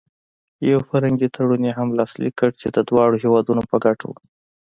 یو فرهنګي تړون یې هم لاسلیک کړ چې د دواړو هېوادونو په ګټه و.